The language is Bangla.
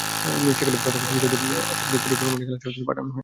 সেখানে প্রাথমিক চিকিৎসা দিয়ে আসাদকে ফরিদপুর মেডিকেল কলেজ হাসপাতালে পাঠানো হয়।